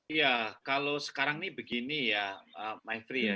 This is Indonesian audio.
iya kalau sekarang ini begini ya maifri ya